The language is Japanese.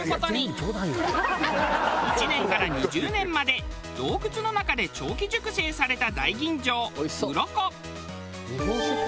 １年から２０年まで洞窟の中で長期熟成された。